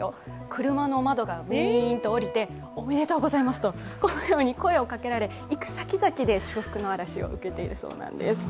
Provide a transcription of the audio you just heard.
車の窓がウィーンと下りて、おめでとうございますとこのように声をかけられ行く先々で祝福の嵐を受けているそうなんです。